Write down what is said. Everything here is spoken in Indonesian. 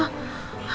oh ya allah